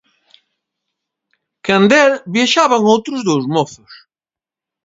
Canda el viaxaban outros dous mozos.